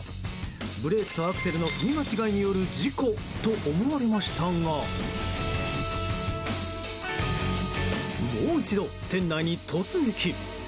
ブレーキとアクセルの踏み間違いによる事故と思われましたがもう一度、店内に突撃。